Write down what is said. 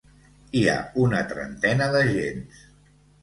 Hi ha una trentena d’agents.